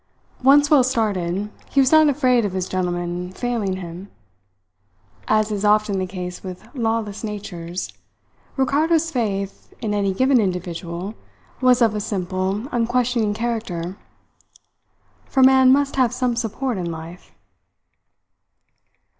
Once well started, he was not afraid of his gentleman failing him. As is often the case with lawless natures, Ricardo's faith in any given individual was of a simple, unquestioning character. For man must have some support in life.